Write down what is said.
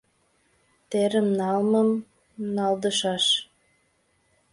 Терым налмым налдышаш